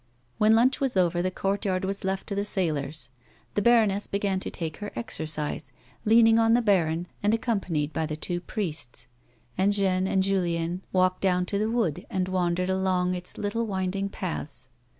When lunch was over the courtyard was left to the sailors. The baroness began to take her exercise, leaning on the baron and accompanied by the two priests, and Jeanne and Julien walked down to the wood, and wandered along its little winding paths.